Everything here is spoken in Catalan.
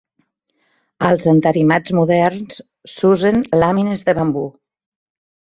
Als entarimats moderns s'usen làmines de bambú.